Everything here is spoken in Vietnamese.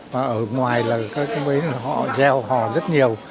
và ở ngoài là mấy người họ gieo hò rất nhiều